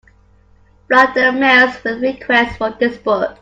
Flood the mails with requests for this book.